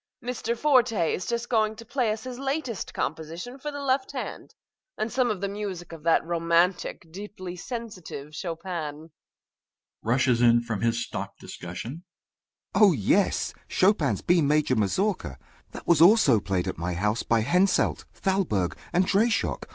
Mr. Forte is just going to play us his latest composition for the left hand, and some of the music of that romantic, deeply sensitive Chopin. MR. GOLD (rushes in from his stock discussion). Oh, yes! Chopin's B major mazourka! That was also played at my house by Henselt, Thalberg, and Dreyschock.